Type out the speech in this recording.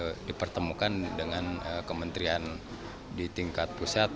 mereka juga mempertemukan dengan kementerian di tingkat pusat